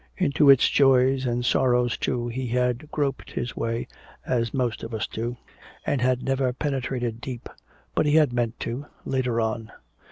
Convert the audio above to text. Into its joys and sorrows too he had groped his way as most of us do, and had never penetrated deep. But he had meant to, later on.